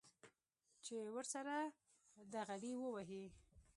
چې ورسره ډغرې ووهي.